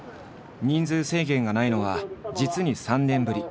人数制限がないのは実に３年ぶり。